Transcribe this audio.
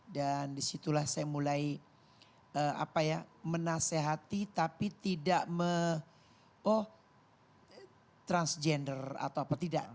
dan disitulah saya mulai apa ya menasehati tapi tidak me oh transgender atau apa tidak